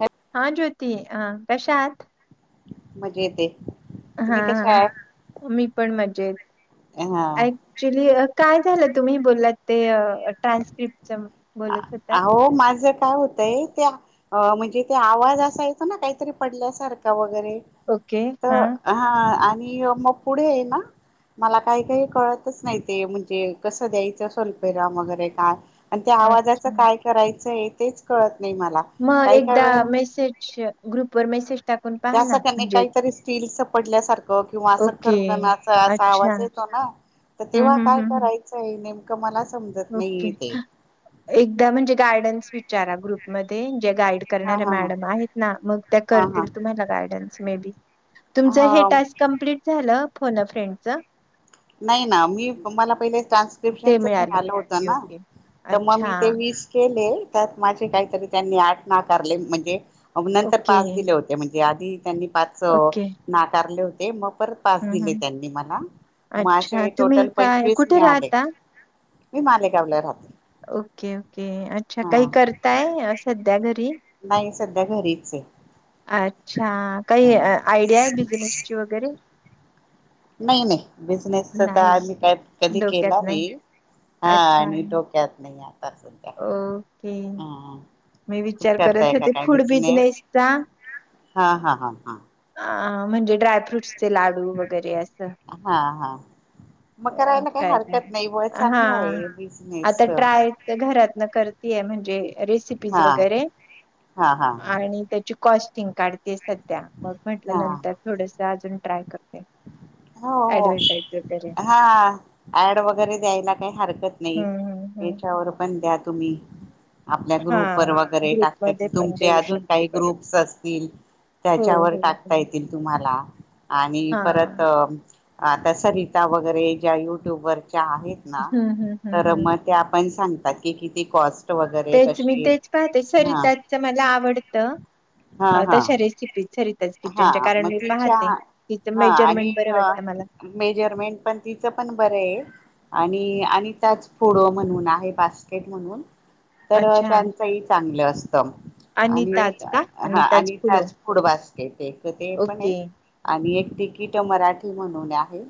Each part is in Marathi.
अ हा ज्योती. अ- कशा आहात? मजेतए. हा हा. मी पण मजेत. हा आ क्च्युली काय झालं? तुम्ही बोललात ते ट्रान्स्क्रिप्टच? बोलत होतात. अहो, माझं काय होत- तय. त्या म्हणजे ते आवाज असा येतो ना? काहीतरी पडल्यासारखा वगैरे. ओके. हा. तर हा आणि मग पुढे आहे ना- मला काही काही कळतच नाही. ते म्हणजे कसं द्यायचं स्वल्पविराम वगैरे काय? आणि त्या आवाजाचं अच्छा. काय करायचंए? तेच कळत नाही मला. मग काही काय एकदा वेळेला मेसेज- ग्रुप वर मेसेज- टाकून पहा त्या ना सखने म्हणजे काहीतरी स्टीलचं पडल्यासारखं किंवा असं ओके खरखनाचा असा अच्छा आवाज येतो ना? तर हम्म तेव्हा हम्म काय हम्म हम्म. करायचंय नेमकं? मला समजत नाहीये ओके. ते. एकदा म्हणजे गायडन्स विचारा. ग्रुप- मध्ये जे गाईड हा करणाऱ्या हा हा मॅडम आहेत ना, मग त्या हा हा करतील तुम्हाला गायडन्स मे बी. तुमचं हे हा टास्क कमप्लीट झालं फोन अ फ्रेंडच? नाही ना. मी मला पहिले ते ट्रान्स्क्रिप्शनचच मिळालं मीळालं होत ओके ना? ओके तर मग अच्छा मी ते वीस- केले त्यात माझे काहीतरी त्यांनी आठ नाकारले. म्हणजे नंतर ओके पाच दिले होते. ते म्हणजे आधी त्यांनी पाच ओके नाकारले होते. मग परत पाच हम्म दिले हम्म त्यांनी मला. अच्छा माझे तुम्ही टोटल काय पंचवीस कुठे मिळाले. राहता? मी मालेगावला राहते. Okay okay. अच्छा, काही हा करताय सध्या घरी? नाही सध्या घरीच आहे. अच्छा. काही हा. आयडिया आहे? बिझनेसची वगैरे. नाही नाही बिझनेसच तर नाही आम्ही का काय कधी केला नाही. हा अच्छा आणि डोक्यात नाही आता ओके हा मी विचार करताय करत का होते काय फूड बिझनेस बिजनेसचा हा हा हा हा अ म्हणजे ड्रायफ्रूट्सचे लाडू वगैरे अस हा हा मग अ, करायला काही काय काय हरकत नाही ब चांगला हा आहे आता बिजनेसचं ट्राय घरातन करतेय म्हणजे रेसिपी वगैरे हा हा आणि त्याची कॉस्टिंग काढतेचं आहेत त्या मग म्हटल्या हा नंतर थोडस अजून ट्राय करते हो हो ऍडव्हर्टाईज वगैरे हा ऍड वगैरे द्यायला काही हरकत नाही हम्म हम्म हम्म याच्यावर पण द्या तुम्ही आपल्या ग्रुप वर हा वगैरे टाकता ग्रुपमध्ये येतील पण तुमचे देऊ अजून शकते काही बरं ग्रुप्स असतील हो त्याच्यावर हो हो टाकता येतील तुम्हाला आणि हा परत आता सरिता वगैरे ज्या युट्युब वरच्या आहेत ना हम्म हम्म हम्म तर हम्म म त्या पण सांगतात की किती कॉस्ट वगैरे तेच मी कशी तेच पाहते हा सरिताजचं मला आवडतं हा अ हा तशा रेसिपी सरीताज हा किचनच्या कारण मग मी तिच्या पाहते तिचं हा मेजरमेंट आणि बरं वाटतं मला मेजरमेंट पण तिचं पण बरं आहे आणि आणि त्याच पुढं म्हणून आहे बास्केट म्हणून तर अच्छा त्यांचही चांगलं असतं आणि अनिताज का हा अनिताज आणि फुलो त्याच फूड बास्केट ते ते पण ओके एक आणि एक तिकीटं मराठी म्हणून आहे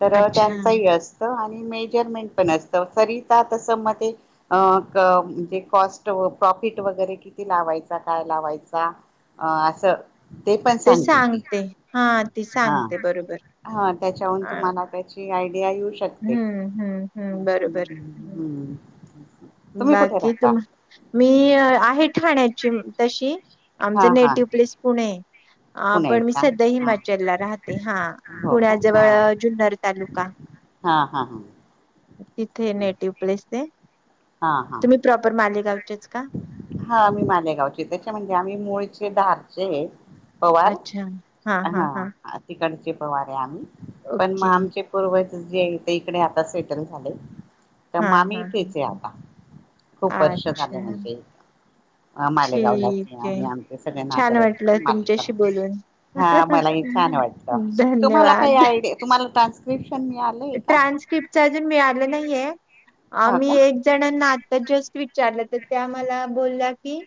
तर अच्छा, त्यांचं ही असं आणि मेजरमेंट पण असतं सरिता तसं म ते अ म्हणजे कॉस्ट प्रॉफिट वगैरे किती लावायचा काय लावायचा अं असं? ते सांगते हां ती हां, सांगते बरोबर. हा त्याच्याहून अ, तुम्हाला त्याची आयडिया येऊ शकते. हं, हं, हं, बरोबर. हं, तुम्ही कुठे बाकी राहता? तुम मी आहे ठाण्याची तशी, हा आमचं हा नेटिव प्लेस पुणे. अं, पुणे पण मी का सध्या हा हिमाचल ला राहते हा हो का पुण्याजवळ जुन्नर तालुका. हां हा.. तिथे नेटिव प्लेस ते हा हा. प्रॉपर मालेगाव चेच का हां, मी मालेगावची त्याच्या म्हणजे आम्ही मुळचे धारचे हे पवार? हां तिकडचे पवार आहे आम्ही पण ओके. मग आमचे... पूर्वज जे आहे ते इकडे आता सेटल झाले. तर हां, मामी हां, हां, इथेच हे हां. आता खूप वर्ष झाले अच्छा, म्हणजे अ मालेगावलाच आहे आणि आमचे सगळे छान नातेवाईक वाटलं पण मालेगाव तुमच्याशी बोलून. हा मला ही छान वाटलं तुम्हाला काही धन्यवाद आयडिया तुम्हाला ट्रान्स्क्रिप्शन मिळालं ट्रान्स्क्रिप्टचं अजून मिळालं नाहीये हा आम्ही का एक.. जणांना आता जस्ट विचारलं तर त्या मला बोलल्या की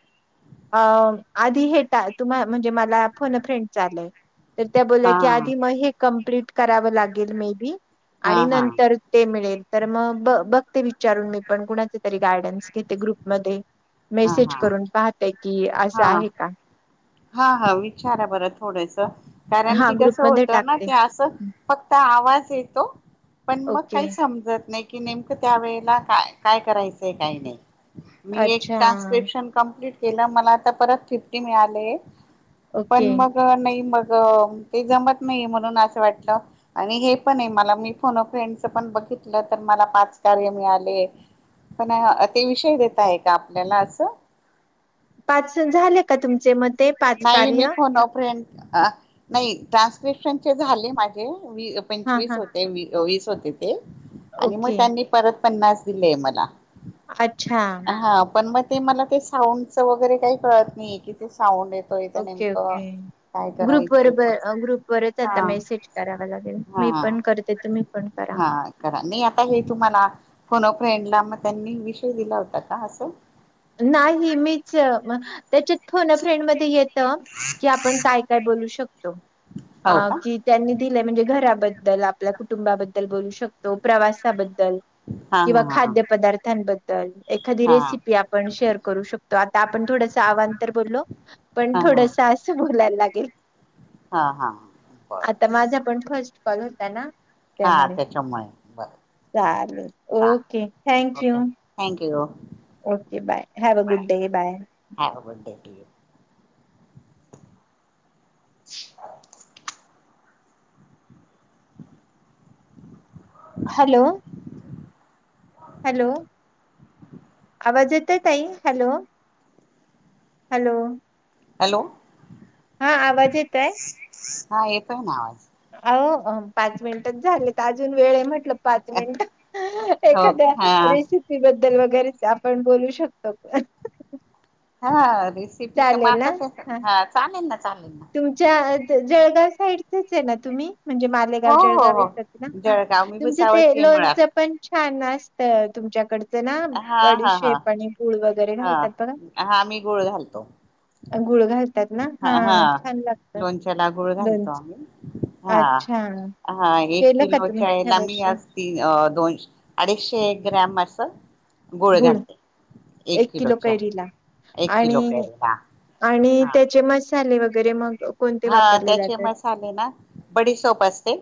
अं आधी हे टा तुम्हा म्हणजे मला फोन अ फ्रेंड चं आलंय तर त्या बोलल्या हा की आधी मग हे कंप्लीट करावं लागेल मे बी हा आणि हा नंतर ते मिळेल तर मग बघ बघते विचारून मी पण कुणाचे तरी गायडन्स घेते ग्रुपमध्ये. मेसेज करून पाहते की असं हां आहे का हा हा विचारा बरं थोडसं कारण हा की कसं ग्रुपमध्ये होतं ना टाकते. की असं फक्त आवाज येतो. पण मग काही ओके समजत नाही की नेमकं त्यावेेळेला का काय करायचंय काही नाही. मी एक. अच्छा कंम्प्लिट केलं, मला आता परत फीफ्टी मिळाले पण ओके. मग नाही मग ते जमत नाही म्हणून असं वाटलं. आणि हे पण आहे मला मी फोन अ फ्रेंडच पण बघितलं तर मला पाच कार्य मिळाले. पण अं ते विषय देता आहे का आपल्याला असं? पाच स झाले का तुमचे म ते? नाही, मी कार्य? फोन ओ फ्रेंड अ नाही ट्रान्स्क्रिप्शनचे झाले माझे मी हां, पंचवीस हां. होते, वीस होते ते आणि मग ओके. त्यांनी परत पन्नास दिलेय मला. अच्छा. हां, पण मग ते मला ते साउंडच वगैरे काही कळत नाही कि ते साउंड ओके, ओके. ग्रुप वर करायचंय पुढचं. ग्रुपवरच हा आता मेसेज करावा लागेल हा मी पण करते, तुम्ही पण करा. हा. करा, मी आता हे तुम्हाला फोन अ फ्रेंडला मग त्यांनी विषय दिला होता का असं? नाही, मीच त्याच्यात फोन फ्रेंड मध्ये येतं की आपण काय? काय-काय बोलुन शकतो, हो का अं की त्यांनी दिलंय म्हणजे घराबद्दल, आपल्या कुटुंबाबद्दल, बोलू शकतो प्रवासाबद्दल हा किंवा हा खाद्य पदार्थांबद्दल एखादी हा हा रेसिपी आप. पण शेअर करु शकतो आता आपण अवांतर बोललो पण हा हा थोडसं असं बोलाय लागेल. हा हा हा आता बरोबर माझा पण फस्ट कॉल होता ना? हा त्यामुळे‌. त्याच्यामुळे बरं चालेल, okay thank you. Thank you. Okay bye have a good day bye. हा बडेठीक आहे. [unintelligible] हॅलो. हॅलो आवाज येत ताई हॅलो. हॅलो. हॅलो. हा आवाज येत आहे. हा ए प ना आवाज अ पाच मिनिटच झाले तर अजून वेळ म्हटलं. पाच मिनट हो का एखाद्या हा रेसिपी बद्दल वगैरे आपण बोलू शकतो का? हा रेसिपी तर चालेल मात ना हा चालेल ना चालेल ना. तुमच्या जळगाव साईडचच आहे ना तुम्ही? म्हणजे मालेगाव हो हो जळगाव इ हो ना ह जळगाव मी तुमचं ते भुसावळची आहे मुळात लोनचं पण छान असतं तुमच्याकडं... त ना हा हा हा बडीशेप आणि गूळ वगैरे घालतात बघा? हा हा मी गुळ घालतो गुळ घालतात ना? हा हा हां. लोणच्याला गुळ घालतो आम्ही. हां, अच्छा हा एक केलं का किलो तुम्ही ह्या चायला मी वर्षी असं. तीन दोनश अडीचशे ग्रॅम असं. गोळे गुळ घाडते. एक किलो कैरीला एक किलो आणि कैरीला आणि हा त्याचे मस् ले वगैरे मग कोणते हा वापरले त्याचे जातात मसाले ना बडी सोप असते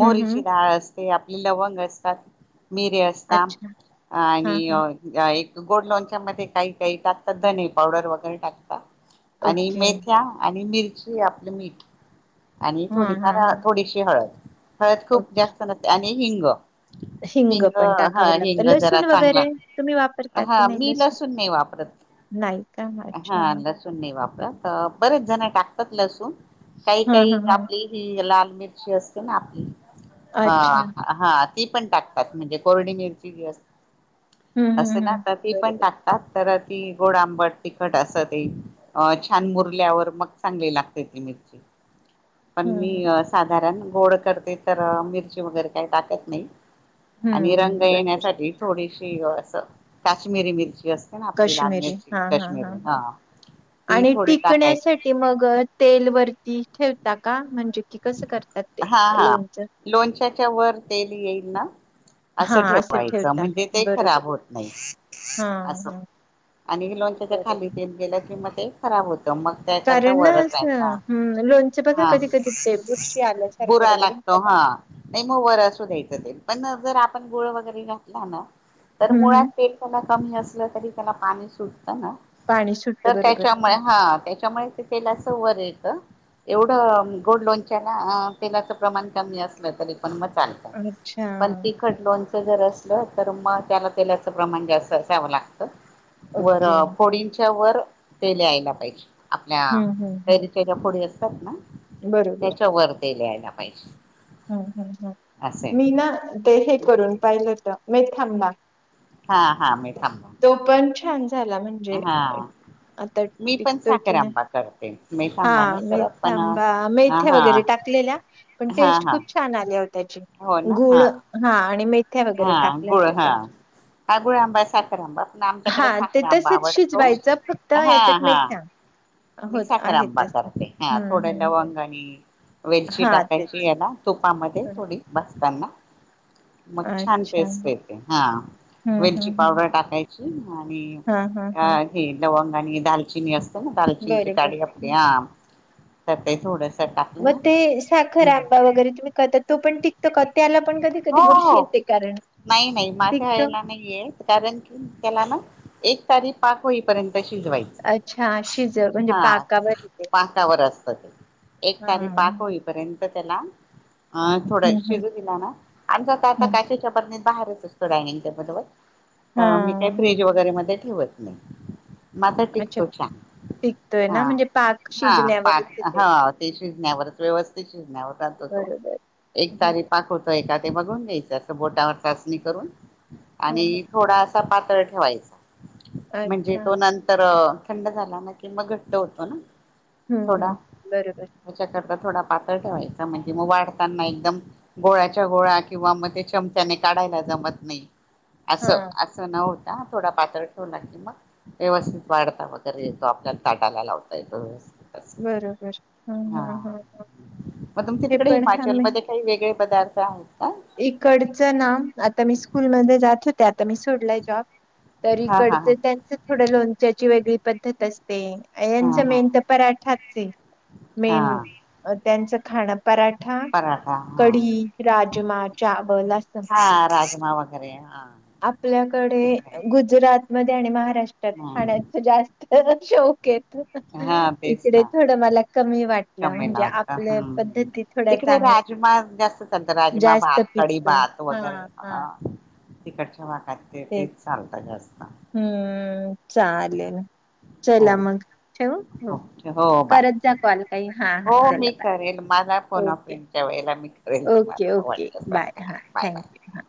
हम्म हम्म डाळ असते. ते आपले लवंग असतात मिरे असत अच्छा हा आणि. हा एक गोड लोणच्या मध्ये काही काही टात तर धने पावडर वगैरे टाकत. आणि ओके मेथ्या आणि मिरची आपलं मीठ आणि हा थोडीफार. हा थोडीशी हळद हळद हा खूप जास्त नते आणि हिंग हिंग पण टाकाव हा लागतं हिंग जरा लसूण वगैरे चांगला. तुम्ही वापरता की हा नाही मी लसूण. नाही वापरत नाही का अच्छा ल नाही वापर बरेच जण टाकतात लसूण काही हा हा काही हा आपली. ही लाल मिरची असते ना आपली. अच्छा हा ती पण टाकतात म्हणजे कोल्डिरची जी अस असते हम् ना तर ती पण टाकतात तर ती गोड आंबट तिखट असं ते अ छान मुरल्यावर मग चांगली लागते ती मिरची पण हम्म मी. हम्म साधारण गोड करते तर मिरची वगैरे काही टाकत नाही. आणि रंग हम्म बरोबर येण्यासाठी थोडीशी असं काश्मीिरी मिरची असते. आपली लाानण्याची कश्मीिरी हा ती थोडी टाकायची त मग तेल वरती ठेवता का म्हणजे कि कसं करतात ते हा हा लोणचं. लोणच्याच्या वर तेल येईल ना. हा असं ठेवायचं ठेवता म्हणजे तेही बरोबर खराब होत नाही हा असं. हा आणि लोणच्याच्या बरोबर. खाली ते गेलं किं म ते खराब होतं मग त्याकरता कारण ना वरच असं राहायचा ह लोणचं बघा हा कधी कधी ते श आल्यासारखं बुरा वगैरे लागतो हा नाही मग वर असू द्यायचं ते पण जर आपण गुळ वगैरे घातला ना. तर हम्म मुळात हम्म पेट त्याला कमी असलं तरी त्याला पाणी सुटत ना. पाणी सुटतं तर बरोबर त्याच्यामुळे हा त्याच्यामुळे व एव गोल्ड लो. च प्रमाण क अस तरी पण चालत अच्छा प. लोणचं जर असलं तर मग त्याला तेलाचं प्रमाण जास्त असावं लागतं. वर ओके फोडींच्या वर पेलेयला पाहिजे हम्म हम्म हम्म आपल्यारी पुढ असतात ना बरोबर त्याच्या वर ते लयला पाहिजे. हम् हम् हम् असे मी ना ते हे करून पाहिलं तर मी थांबा हा हा मीठां. तो पण छान झाला म्हणजे आता मी पण टिकतो की साखर नाही. आंबा करते. हा मीठांबा नाही करत पण मेथंबा हा मेथ्या हा वगैरे टाकलेल्या पण हा टेस्ट हा खूप छान आले हो त्याची हो ना गुळ हा हा आणि मेथ्या वगैरे हा टाकल्या गुळ होत हा त्यात. हा गुळ आंबा साखर आंबा पण हा आमच्याकडे ते साखर आंबा तसच आवडतो शिजवायचं फक्त हा याच्यात माहत ना होत आहेत. ते ह थोड हम्म हम्म लवंग आणि वेलची हा तेच टाकायची याला तुपामध्ये हं. थोडी बसताना मग छान अच्छा पेस्ट हम्म येते हा हम्म वेलची हम्म पावडर हम्म. टाकायची आणि हा हा अ. हा हे लडवंग आणि दालचिनी असत ना दालचिनीची बरोबर काडी आपली आम तर ते थोड मग ते साखर आंबा वगैरे तुम्ही करता तो पण टिकतो का त्याला पण कधी कधी हो वरषी हो येत. नाही नाही माझ्या आहे ना. कारण की त्याला ना एक तारी पाक होहीपर्यंत शिजवायचं अच्छा शिज म्हणजे हा पाकावर येते पटावर असत ते एक हा तारी पाच हम्म होईपर्यंत त्याला थोड हम्म शिजू दिला ना आम ज हम्म का हा वगैरे म ठेवत नाही. मझ अच्छा टिकतो छान टिकतोय हा ना म्हणजे पाक हा पा शिजण्यावरच येते ह शिजण्यावर व्यवस्थित शिजण्यावर रातो तो बरोबर एक हम्म तारी पाकवतो एखाे बघून घ्यायच, जस बोटावर चाचणी करून हम्म आणि थोडासा पातळ ठेवायचा. म्हणजे अच्छा तो नंतर थंड झाला ना किंवा घट्ट होतो ना, हम्म थोडा हम् बरोबर. त्याच्याकरता थोडा पातळ ठेवायचा म्हणजे मग वाढताना एकदम गोळ्याच्या गोळ किंवा मग ते चमचाने काढायला जमत नाही अस.. हा चणा होता थोडा पातळ ठेवू लाग मग व्यवस्थित वाढता वगैरे तो आपल्याला ताटाला लावता येतो व्यवस्थित. अस बरोबर हम हा हम ह मग तुमच्या हे तिकडे पण आ हिमाचलमध्ये काही वेगळे पदार्थ आहेत का? इकडचं ना आता मी स्कूलमध्येध्ये जात होते आता मी सोडलाय जॉब त हा हा हा इकडचं त्यांचं थोडं लोणच्याची वेगळी पद्धत असते. हा यांचं हा मेन तर पराठाच आहे, मेन हा त्यांचं खाणं पराठा, पराठा हा कढी, राजमा, चावल असं राजमाव ह आपल्याकडे गुजरात मध्ये आणि महाराष्ट्रात हम्म खाण्याच जास्त शौकेत [inaudible] हा तेस ना कमी वाटलं चला म्हणजे वाटत आपल्या हम् ह् पद्धती थोड्या तिकडे चांग राजमा जास्त चालत राजमा जास्त भात कडी पिकतो भात हा वगैरे, हा तिकडच्या भागात ते तेच चालतात जास्त हम्म चालेल. हो चला मग ठेव हो हो बाय करत जा कॉल काही हा हा हो चला मी बाय. करेल मला फोन ओके, ऑफ्रेंडच्या वेळेला मी करेल ओके, तुम्हाला ओके वाटत बाय हां बाय थँक्यू हां